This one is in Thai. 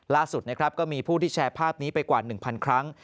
ล่าสุดนะครับก็มีผู้ที่แชร์ภาพนี้ไปกว่า๑๐๐ครั้ง